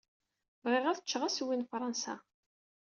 Bɣiɣ ad cceɣ assewwi n Fṛansa.